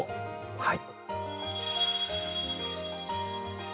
はい。